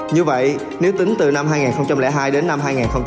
như vậy nếu tính từ năm hai nghìn hai đến năm hai nghìn hai mươi bảy